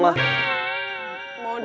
mau dibantuin apa